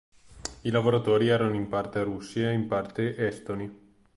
I lavoratori erano in parte russi e in parte estoni.